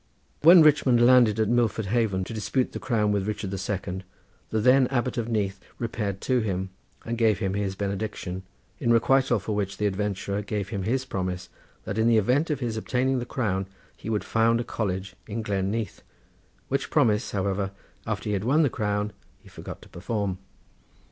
When Richmond landed at Milford Haven to dispute the crown with Richard the Second, the then Abbot of Neath repaired to him and gave him his benediction, in requital for which the adventurer gave him his promise that in the event of his obtaining the crown he would found a college in Glen Neath, which promise, however, after he had won the crown, he forgot to perform.